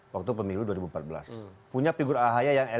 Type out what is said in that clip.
waktu pemilu dua ribu empat belas punya figur ahaya yang elit